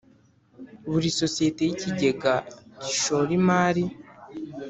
Buri sosiyete y ikigega gishora imari